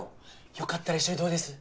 よかったら一緒にどうです？